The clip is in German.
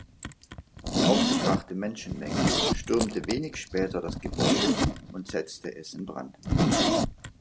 Die aufgebrachte Menschenmenge stürmte wenig später das Gebäude und setzte es in Brand.